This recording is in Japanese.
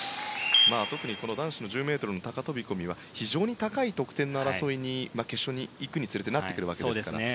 特にこの男子の１０ｍの高飛込は非常に高い得点の争いに決勝に行くにつれてなってくるわけですから。